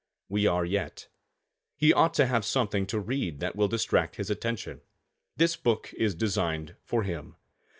We are yet. He ought to have something to read that will distract his attention. This book is designed for him.